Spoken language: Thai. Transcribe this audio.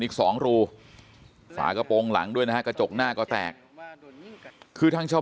อีก๒รูฝากระโปรงหลังด้วยนะฮะกระจกหน้าก็แตกคือทางชาว